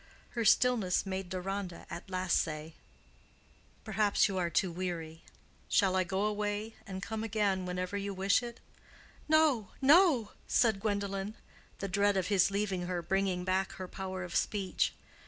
Her stillness made Deronda at last say, "Perhaps you are too weary. Shall I go away, and come again whenever you wish it?" "No, no," said Gwendolen—the dread of his leaving her bringing back her power of speech.